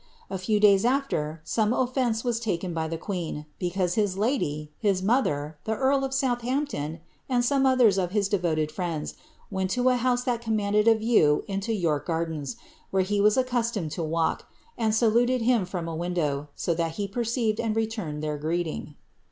A few days after, some oflence was taken by the queen, because his lady, his mother, the earl of South ampton, and some others of his devoted friends, went to a house that eommanded a view into York Gardens, where he was accustomed to walk, and saluted him from a window, so that he perceived and returned their greeting.'